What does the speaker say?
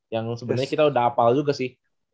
yang sebenarnya kita udah hafal juga sih